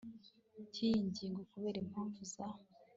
k iyi ngingo kubera impamvu za